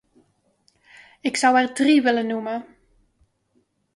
Ik zou er drie willen noemen.